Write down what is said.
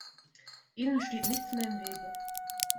Ihnen steht nichts mehr im Wege.